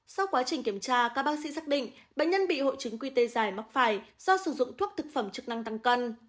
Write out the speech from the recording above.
sau quá trình kiểm tra các bác sĩ xác định bệnh nhân bị hội chứng qt dài mắc phải do sử dụng thuốc thực phẩm chức năng tăng cân